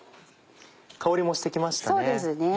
香りもして来ましたね。